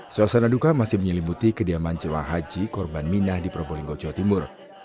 suasana duka masih menyelimuti kediaman cewa haji korban minah di probolinggo jawa timur